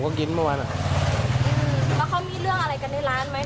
ก็กินเมื่อวานอ่ะอืมแล้วเขามีเรื่องอะไรกันในร้านไหม